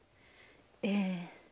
ええ。